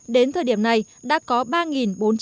đến thời điểm này đã có ba đồng